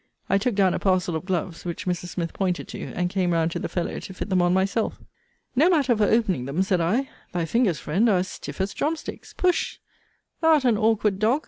I took down a parcel of gloves, which Mrs. Smith pointed to, and came round to the fellow to fit them on myself. No matter for opening them, said I: thy fingers, friend, are as stiff as drum sticks. Push! Thou'rt an awkward dog!